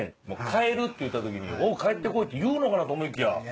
「もう帰る」って言った時に「おお帰って来い」って言うのかなと思いきや。